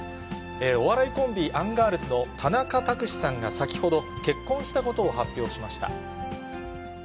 お笑いコンビ、アンガールズの田中卓志さんが先ほど、結婚したことを発表しました。